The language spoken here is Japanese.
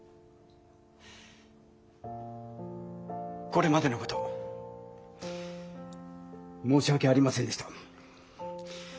これまでのこと申し訳ありませんでした。